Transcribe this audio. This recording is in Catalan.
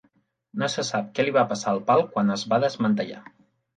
No se sap què li va passar al pal quan es va desmantellar.